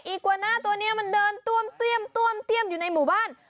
อิกวานะตัวนี่มันเดินต้มเตี้ยมอยู่ในหมู่บ้าน